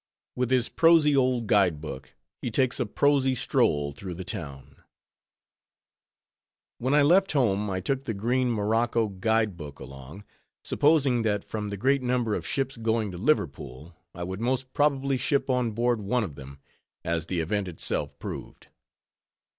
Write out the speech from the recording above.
WITH HIS PROSY OLD GUIDE BOOK, HE TAKES A PROSY STROLL THROUGH THE TOWN When I left home, I took the green morocco guide book along, supposing that from the great number of ships going to Liverpool, I would most probably ship on board of one of them, as the event itself proved.